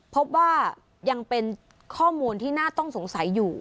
พบว่ายังเป็นข้อมูลที่น่าต้องสงสัยอยู่